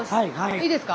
いいですか？